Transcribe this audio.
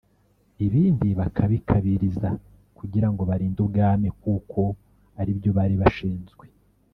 ibindi bakabikabiriza kugira ngo barinde ubwami kuko aribyo bari bashinzwe